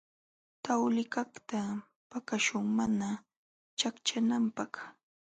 Tawlikaqta paqaśhun mana ćhaqćhananpaq.